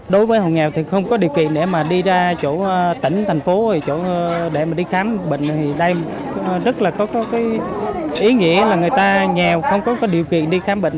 đối với hộ nghèo thì không có điều kiện để mà đi ra chỗ tỉnh thành phố chỗ để mà đi khám bệnh thì đây rất là có cái ý nghĩa là người ta nghèo không có điều kiện đi khám bệnh